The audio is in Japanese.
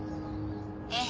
ええ。